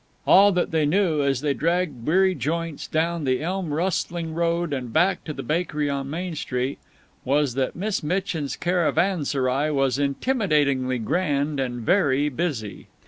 All that they knew, as they dragged weary joints down the elm rustling road and back to the bakery on Main Street, was that Miss Mitchin's caravanserai was intimidatingly grand and very busy.